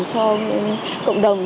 cho cộng đồng